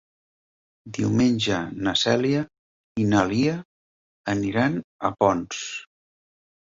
Diumenge na Cèlia i na Lia aniran a Ponts.